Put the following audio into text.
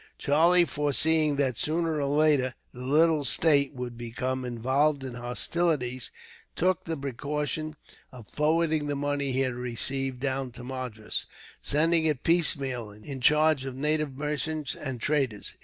Charlie, foreseeing that, sooner or later, the little state would become involved in hostilities, took the precaution of forwarding the money he had received down to Madras; sending it piecemeal, in charge of native merchants and traders.